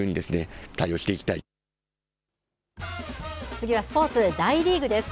次はスポーツ、大リーグです。